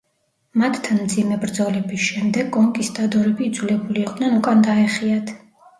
მათთან მძიმე ბრძოლების შემდეგ კონკისტადორები იძულებული იყვნენ უკან დაეხიათ.